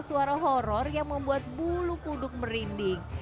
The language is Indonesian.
dan suara suara horror yang membuat bulu kuduk merinding